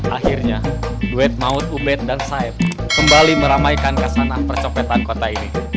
akhirnya duet maut ubed dan saeb kembali meramaikan khasanah percopetan kota ini